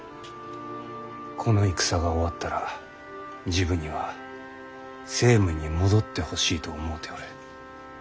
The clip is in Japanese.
この戦が終わったら治部には政務に戻ってほしいと思うておる。